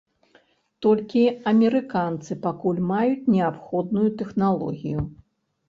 Толькі амерыканцы пакуль маюць неабходную тэхналогію.